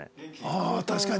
ああ確かに。